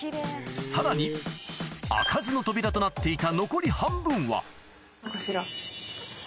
さらに開かずの扉となっていた残り半分はこちら。